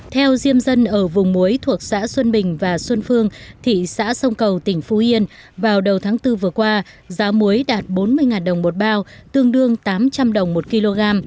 theo diêm dân ở vùng muối thuộc xã xuân bình và xuân phương thị xã sông cầu tỉnh phú yên vào đầu tháng bốn vừa qua giá muối đạt bốn mươi đồng một bao tương đương tám trăm linh đồng một kg